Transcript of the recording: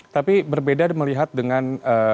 tapi berbeda melihat dengan